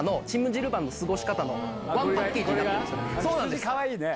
羊かわいいね。